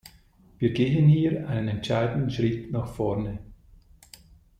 Wir gehen hier einen entscheidenden Schritt nach vorne.